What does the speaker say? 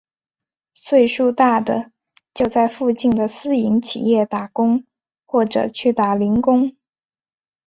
岁数大的就在附近的私营企业打工或者去打零工。